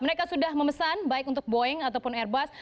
mereka sudah memesan baik untuk boeing ataupun airbus